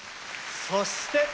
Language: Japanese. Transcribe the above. そして！